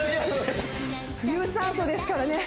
有酸素ですからね